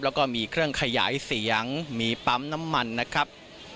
แล้วก็มีเครื่องขยายเสียงมีปั๊มน้ำมันนะครับ